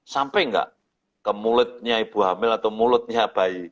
sampai nggak ke mulutnya ibu hamil atau mulutnya bayi